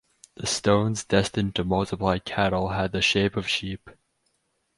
The stones destined to multiply cattle had the shape of sheep.